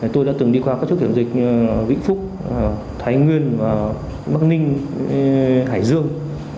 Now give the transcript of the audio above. tôi đã từng đi qua các chốt kiểm dịch vĩnh phúc thái nguyên và bắc ninh hải dương